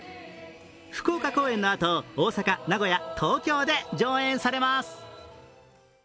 福岡公演のあと、大阪、名古屋、東京で上演されます。